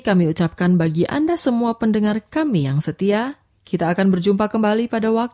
salam dan doa kami menyertai anda sekalian